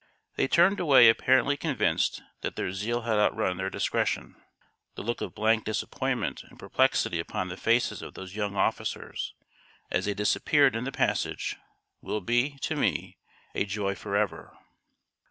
They turned away apparently convinced that their zeal had outrun their discretion. The look of blank disappointment and perplexity upon the faces of those young officers as they disappeared in the passage will be, to me, a joy forever.